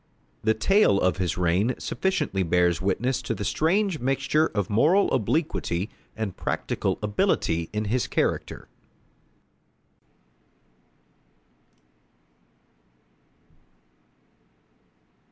The tale of his reign sufficiently bears witness to the strange mixture of moral obliquity and practical ability in his character.